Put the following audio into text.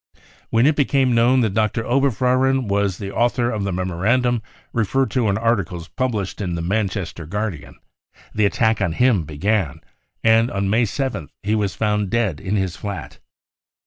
When it became .known that Dr. Oberfohren was the author of the memo randum referred to in articles published in the Manchester Guardian^ the attack on him began, and on May 7th he was found dead in his flat.